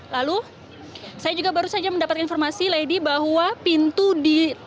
lalu saya juga baru saja mendapatkan informasi lady bahwa pintu di